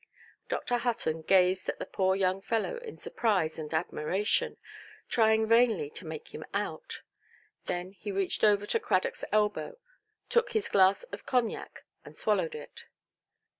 Dr. Hutton gazed at the poor young fellow in surprise and admiration, trying vainly to make him out. Then he reached over to Cradockʼs elbow, took his glass of cognac, and swallowed it.